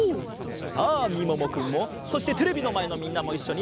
さあみももくんもそしてテレビのまえのみんなもいっしょに！